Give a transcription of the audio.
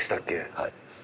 はい。